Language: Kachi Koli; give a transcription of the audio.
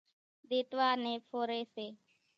ۮيتوا نين ڦوري سي